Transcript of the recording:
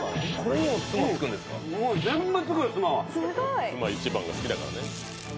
「つま一番が好きだからね」